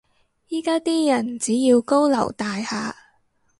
依家啲人只要高樓大廈